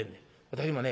私もね